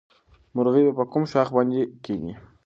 مرغۍ به په کوم ښاخ باندې کېني؟